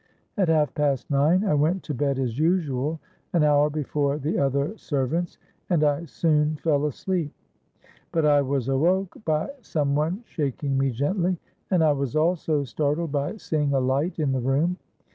At half past nine I went to bed as usual, an hour before the other servants; and I soon fell asleep. But I was awoke by some one shaking me gently; and I was also startled by seeing a light in the room.